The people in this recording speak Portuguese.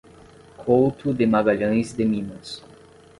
Couto de Magalhães de Minas